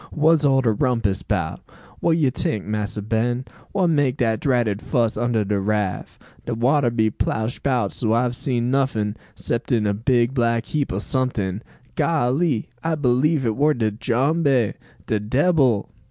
"Wha's all de rumpus 'bout? Wha you tink, Massa Ben? Wha make dat dratted fuss under de raff? De water be plash bout so I've see nuffin, 'cepting a big black heap o' someting. Golly! I b'lieve it war de jumbe, de debbil!"